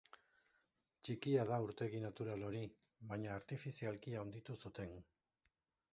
Txikia da urtegi natural hori, baina artifizialki handitu zuten.